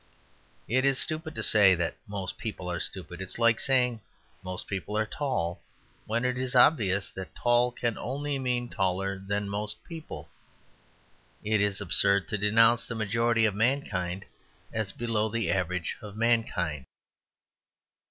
It is stupid to say that "most people" are stupid. It is like saying "most people are tall," when it is obvious that "tall" can only mean taller than most people. It is absurd to denounce the majority of mankind as below the average of mankind.